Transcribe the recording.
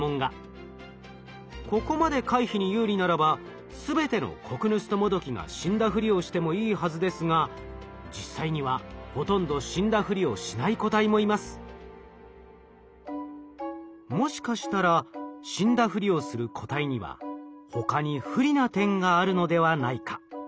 ここまで回避に有利ならば全てのコクヌストモドキが死んだふりをしてもいいはずですが実際にはもしかしたら死んだふりをする個体には他に不利な点があるのではないか。